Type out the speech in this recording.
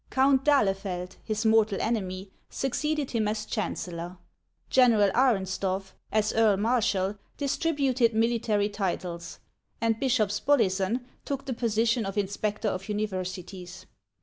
Count d'Ahlefeld, his mortal enemy, succeeded him as chancellor; General Arensdorf, as earl marshal, distributed military titles, and Bishop Spollyson took the position of inspector of uni versities.